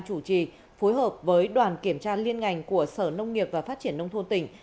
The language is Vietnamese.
chủ trì phối hợp với đoàn kiểm tra liên ngành của sở nông nghiệp và phát triển nông thôn tỉnh